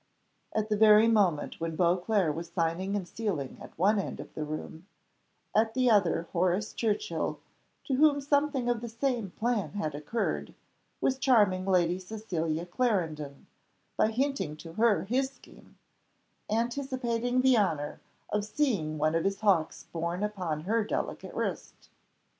At the very moment when Beauclerc was signing and sealing at one end of the room, at the other Horace Churchill, to whom something of the same plan had occurred, was charming Lady Cecilia Clarendon, by hinting to her his scheme anticipating the honour of seeing one of his hawks borne upon her delicate wrist.